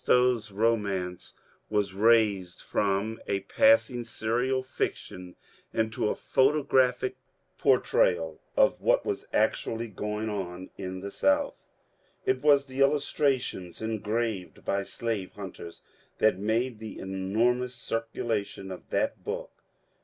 Stowe's romance was raised from a passing serial fiction into a photographic portrayal of what was actually going on in the South. It was the illustrations engraved by slave hunters that made the enormous circulation of that book.